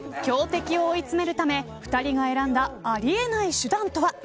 強敵を追い詰めるため２人が選んだありえない手段とは。